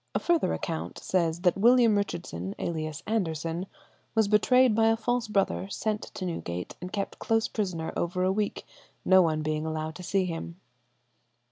..." A further account says that William Richardson, alias Anderson, was betrayed by a false brother, sent to Newgate, and kept close prisoner over a week, no one being allowed to see him.